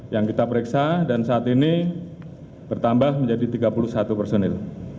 yang kita periksa dan saat ini bertambah menjadi tiga puluh satu personil